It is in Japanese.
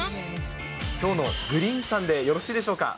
きょうのグリーンさんでよろしいでしょうか。